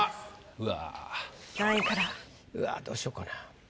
うわどうしようかな。